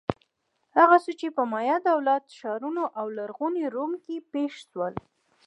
هغه څه چې په مایا دولت-ښارونو او لرغوني روم کې پېښ شول.